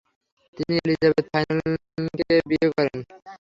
তিনি এলিজাবেথ ফাইনাকেনকে বিয়ে করেন।